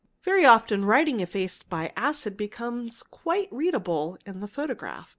Very often writing effaced by an acid becomes quite readable in the photograph.